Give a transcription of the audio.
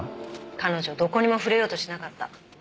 彼女どこにも触れようとしなかった。